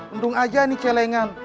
undung aja nih celengan